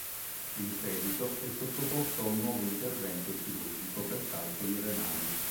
In seguito, è sottoposto a un nuovo intervento chirurgico per calcoli renali.